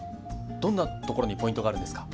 どんなところにポイントがあるんですか？